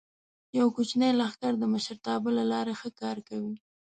یو کوچنی لښکر د مشرتابه له لارې ښه کار کوي.